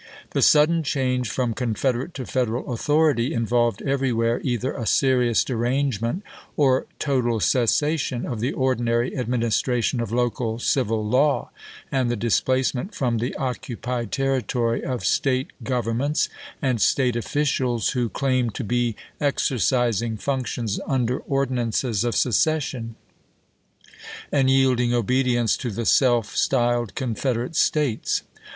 The sudden change from Confederate to Federal authority involved everywhere either a serious derangement or total cessation of the ordinary administration of local civil law, and the displace ment from the occupied territory of State govern ments and State officials who claimed to be exer cising functions under ordinances of secession, and yielding obedience to the self styled Confederate States.